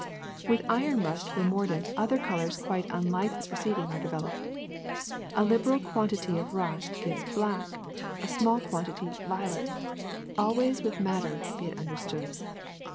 With iron rust for mordant other colors quite unlike the preceding are developed. A liberal quan tity of rust gives black, a small quantity violet — al wavs with madder, be it understood.